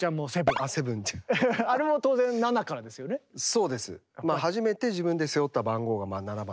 そうです。